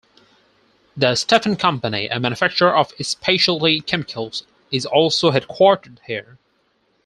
The Stepan Company, a manufacturer of specialty chemicals, is also headquartered here.